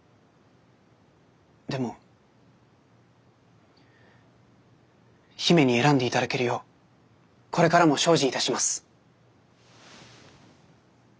でも姫に選んで頂けるようこれからも精進いたします。